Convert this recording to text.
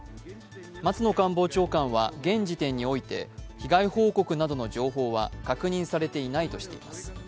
松野官房長官は現時点において被害報告などの情報は確認されていないとしています。